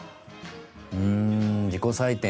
うん自己採点